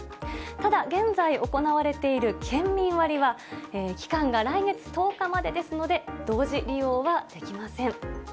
ただ、現在行われている県民割は、期間が来月１０日までですので、同時利用はできません。